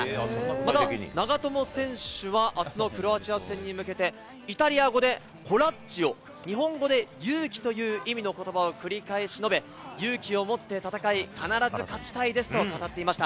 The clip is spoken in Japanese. また、長友選手はあすのクロアチア戦に向けて、イタリア語でコラッジョ、日本語で勇気という意味のことばを繰り返し述べ、勇気を持って戦い、必ず勝ちたいですと語っていました。